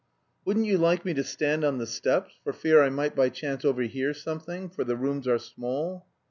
"Wouldn't you like me to stand on the steps... for fear I might by chance overhear something... for the rooms are small?"